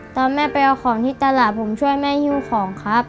ตอนแม่ไปเอาของที่ตลาดผมช่วยแม่ฮิ้วของครับ